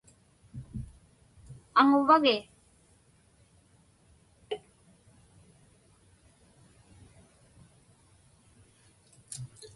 Aŋuvagi?